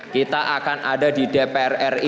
kita akan ada di dpr ri dua ribu dua puluh empat